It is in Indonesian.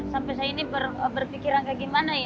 sampai saya ini berpikiran kayak gimana ya